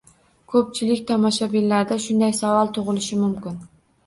Koʻpchilik tomoshabinlarda shunday savol tugʻilishi mumkin: